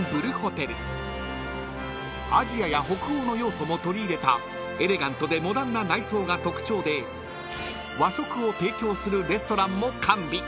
［アジアや北欧の要素も取り入れたエレガントでモダンな内装が特徴で和食を提供するレストランも完備］